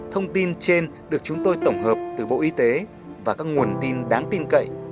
thông tin trên được chúng tôi tổng hợp từ bộ y tế và các nguồn tin đáng tin cậy